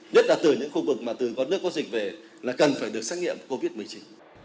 nhất là từ những khu vực mà từ có nước có dịch về là cần phải được xét nghiệm covid một mươi chín